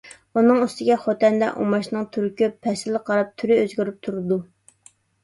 ئۇنىڭ ئۈستىگە خوتەندە ئۇماچنىڭ تۈرى كۆپ. پەسىلگە قاراپ تۈرى ئۆزگىرىپ تۇرىدۇ.